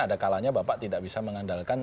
ada kalanya bapak tidak bisa mengandalkan